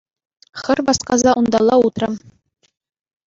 Хӗр васкаса унталла утрӗ.